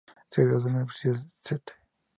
Se graduó en la Universidad St.